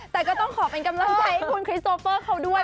แต่ก็ต้องขอเป็นกำลังใจให้คุณคริสโตเฟอร์เขาด้วย